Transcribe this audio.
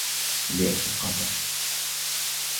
هل لي أن أقاطع ؟